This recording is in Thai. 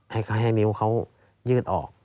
ให้นิ้วเขายืดออก